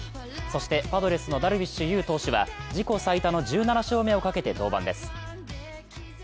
そしてパドレスのダルビッシュ有投手は自己最多の１７勝目をかけて登板です。